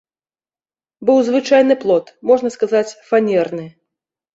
Быў звычайны плот, можна сказаць, фанерны.